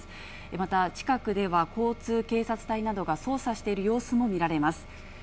また、近くでは交通警察隊などが捜査している様子も見られます。